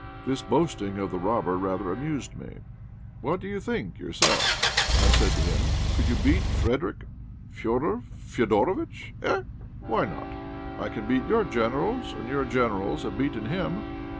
This boasting of the robber rather amused me. "What do you think yourself?" I said to him. "Could you beat Frederick?" "Fédor Fédorovitch, eh! why not? I can beat your Generals, and your Generals have beaten him.